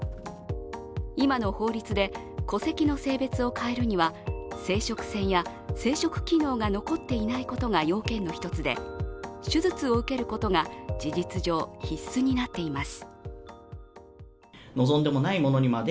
今の法律で戸籍の性別を変えるには生殖腺や生殖機能が残っていないことが要件の一つで、手術を受けることが事実上必須になっています